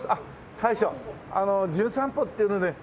大将あの『じゅん散歩』っていうので来ました